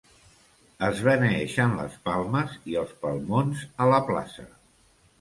Es beneeixen les palmes i els palmons a la plaça.